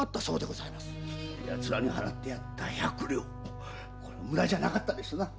奴らに払ってやった百両無駄じゃなかったですな。